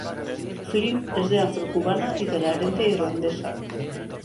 Flynn es de Afro-Cubana y de la herencia Irlandesa.